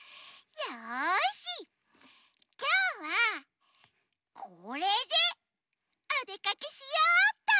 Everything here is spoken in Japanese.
よしきょうはこれでおでかけしようっと！